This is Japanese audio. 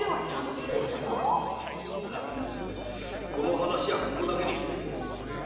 みんなこの話はここだけにしてくれ。